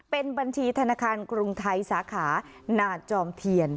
เป็นบัญชีธนาคารกรุงไทยสาขานาจอมเทียน